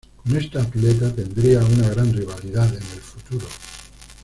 Con esta atleta tendría una gran rivalidad en el futuro.